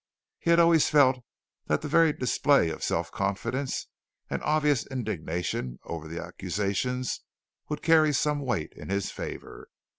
He had always felt that the very display of self confidence and obvious indignation over the accusations would carry some weight in his favor.